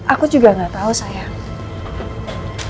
aku juga gak tahu sayang